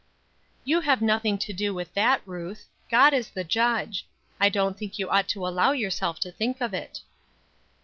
"You have nothing to do with that, Ruth; God is the judge. I don't think you ought to allow yourself to think of it."